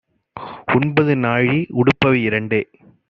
உண்பது நாழி; உடுப்பவை இரண்டே